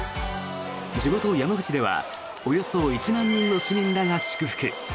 地元・山口ではおよそ１万人の市民らが祝福。